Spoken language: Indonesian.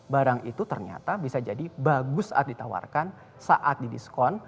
barang itu ternyata bisa jadi bagus saat ditawarkan saat didiskon